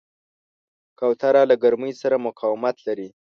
کوتره له ګرمۍ سره مقاومت لري.